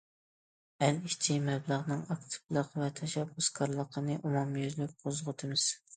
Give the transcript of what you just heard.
ئەل ئىچى مەبلىغىنىڭ ئاكتىپلىقى ۋە تەشەببۇسكارلىقىنى ئومۇميۈزلۈك قوزغىتىمىز.